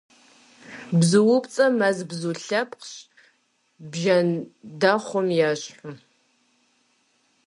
Бзуупцӏэр мэз бзу лъэпкъщ, бжэндэхъум ещхьу.